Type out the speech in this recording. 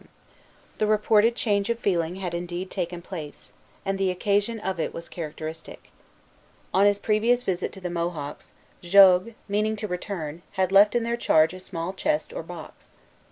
MS. Ibid. The reported change of feeling had indeed taken place; and the occasion of it was characteristic. On his previous visit to the Mohawks, Jogues, meaning to return, had left in their charge a small chest or box.